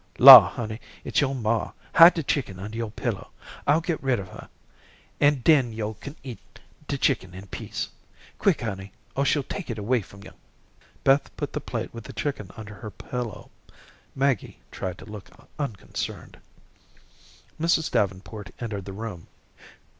"Law, honey, it's yo'r maw. Hide de chicken under yo'r pillow. I'll get rid of her, an' den yo' can eat de chicken in peace. Quick, honey, or she'll take it away from yo'." Beth put the plate with the chicken under her pillow. Maggie tried to look unconcerned. Mrs. Davenport entered the room.